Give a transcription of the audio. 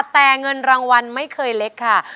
แต่เงินรางวัลไม่เคยเล็กค่ะ